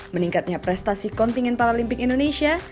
meningkatnya prestasi kontingen paralimpik indonesia